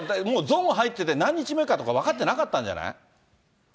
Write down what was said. もうゾーン入ってて、何日目かとか分かってなかったんじゃない？